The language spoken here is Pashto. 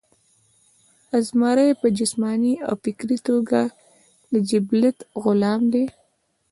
ازمرے پۀ جسماني او فکري توګه د جبلت غلام دے